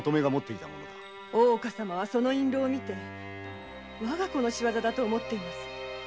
大岡様はその印籠を見てわが子の仕業だと思っています。